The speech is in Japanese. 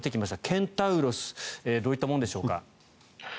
ケンタウロスどういったものでしょうか。